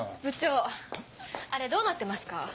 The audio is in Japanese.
部長あれどうなってますか？